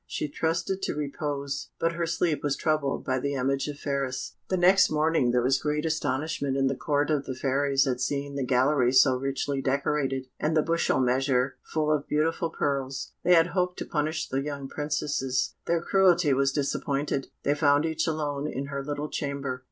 She trusted to repose, but her sleep was troubled by the image of Phratis. The next morning there was great astonishment in the Court of the Fairies at seeing the gallery so richly decorated, and the bushel measure full of beautiful pearls. They had hoped to punish the young Princesses: their cruelty was disappointed. They found each alone in her little chamber.